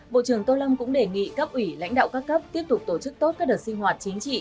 bộ trưởng tô lâm cũng đề nghị cấp ủy lãnh đạo các cấp tiếp tục tổ chức tốt các đợt sinh hoạt chính trị